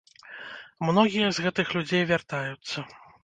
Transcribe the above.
Многія з гэтых людзей вяртаюцца.